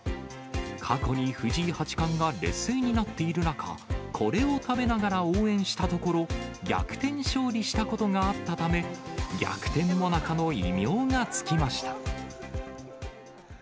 過去に藤井八冠が劣勢になっている中、これを食べながら応援したところ、逆転勝利したことがあったため、逆転もなかの異名が付きました。